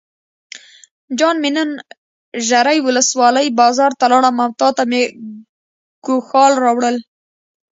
جان مې نن ژرۍ ولسوالۍ بازار ته لاړم او تاته مې ګوښال راوړل.